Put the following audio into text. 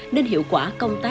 nên hiệu quả của các loại thị sản